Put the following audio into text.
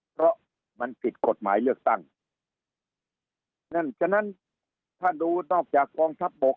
เพราะมันผิดกฎหมายเลือกตั้งนั่นฉะนั้นถ้าดูนอกจากกองทัพบก